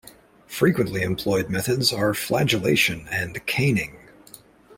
Frequently employed methods are flagellation and caning.